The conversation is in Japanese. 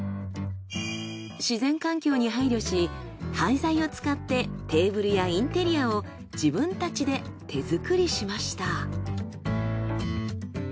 自然環境に配慮し廃材を使ってテーブルやインテリアを自分たちで手作りしました。